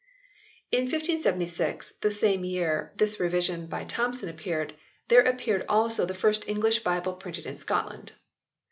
In 1576, the same year this revision by Tomson appeared, there appeared also the first English Bible printed in Scotland.